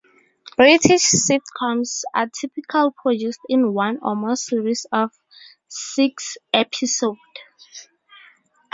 British sitcoms are typically produced in one or more series of six episodes.